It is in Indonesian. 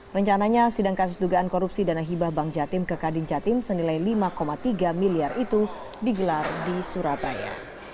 rencananya sidang kasus dugaan korupsi dana hibah bank jatim ke kadin jatim senilai lima tiga miliar itu digelar di surabaya